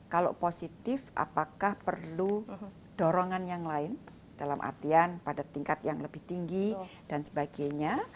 kalau positif apakah perlu dorongan yang lain dalam artian pada tingkat yang lebih tinggi dan sebagainya